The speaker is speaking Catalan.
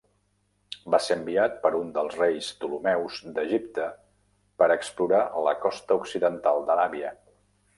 Va ser enviat per un dels reis Ptolemeus d'Egipte per explorar la costa occidental d'Aràbia.